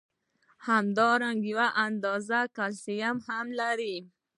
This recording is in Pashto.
همدارنګه یو اندازه کلسیم هم لري.